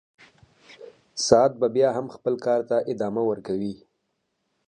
ساعت به بیا هم خپل کار ته ادامه ورکوي.